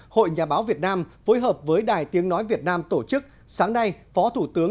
hội nhà báo việt nam phối hợp với đài tiếng nói việt nam tổ chức sáng nay phó thủ tướng